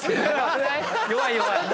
弱い弱い！